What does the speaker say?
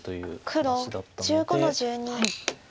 黒１５の十二。